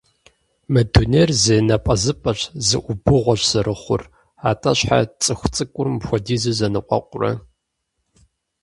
Мы дунейр зы напӏэзыпӏэщ, зы ӏубыгъуэщ зэрыхъур, атӏэ, щхьэ цӏыхуцӏыкӏур мыпхуэдизу зэныкъуэкъурэ?